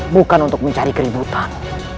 bukan untuk mencari keributan